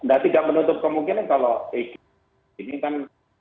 nah tidak menutup kemungkinan kalau eg ini kan